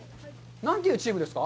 何というチームですか。